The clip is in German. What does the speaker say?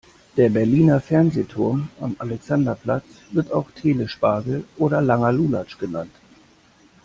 Der Berliner Fernsehturm am Alexanderplatz wird auch Telespagel oder langer Lulatsch genannt.